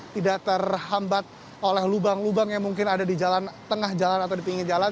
tidak terhambat oleh lubang lubang yang mungkin ada di jalan tengah jalan atau di pinggir jalan